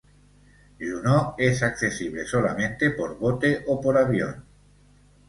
Juneau es accesible solamente por bote o por avión.